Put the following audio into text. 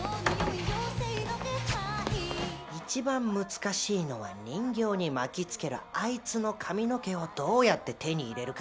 一番難しいのは人形に巻きつけるあいつの髪の毛をどうやって手に入れるかだね。